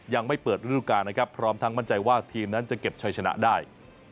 ยังไม่เปิดรูปการณ์นะครับพร้อมทั้งมั่นใจว่าทีมนั้นจะเก็บชัยชนะได้